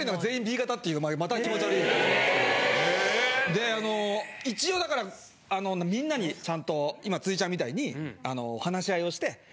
であの一応だからみんなにちゃんと今辻ちゃんみたいに話し合いをして。